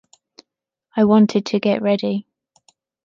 I wanted to get ready